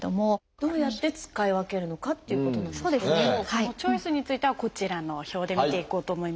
そのチョイスについてはこちらの表で見ていこうと思います。